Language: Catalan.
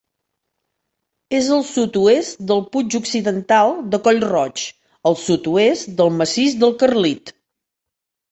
És al sud-oest del Puig Occidental de Coll Roig, al sud-oest del Massís del Carlit.